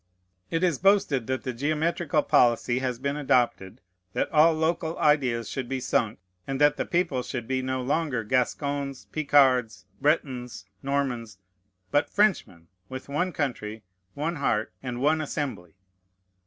It is boasted that the geometrical policy has been adopted, that all local ideas should be sunk, and that the people should be no longer Gascons, Picards, Bretons, Normans, but Frenchmen, with one country, one heart, and one Assembly.